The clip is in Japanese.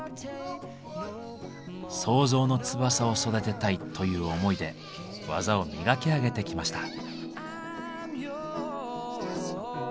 「創造の翼を育てたい」という思いで技を磨き上げてきました。